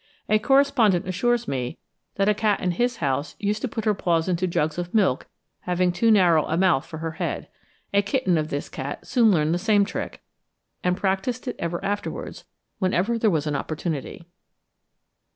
A correspondent assures me that a cat in his house used to put her paws into jugs of milk having too narrow a mouth for her head. A kitten of this cat soon learned the same trick, and practised it ever afterwards, whenever there was an opportunity.